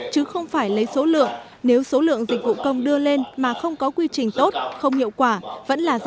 chứ không phải lấy số lượng nếu số lượng dịch vụ công đưa lên mà không có quy trình tốt không hiệu quả